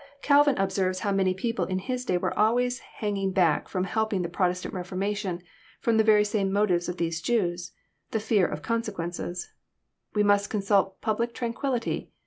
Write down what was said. Calvin observes, how many people in his day were always Vianging back fVom helping the Protestant Reformation, from 'lie very same motives as these Jews, — the fear of consequences. «< We must consult public tranquillity.